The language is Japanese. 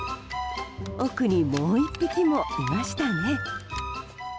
奥に、もう１匹もいましたね。